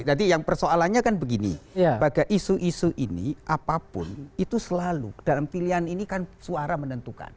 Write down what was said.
yang persoalannya kan begini pada isu isu ini apapun itu selalu dalam pilihan ini kan suara menentukan